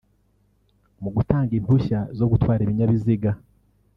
Mu gutanga impushya zo gutwara ibinyabiziga